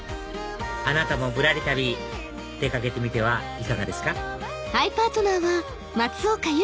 あなたもぶらり旅出かけてみてはいかがですか？